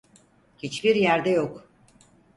Hiçbir yerde yok.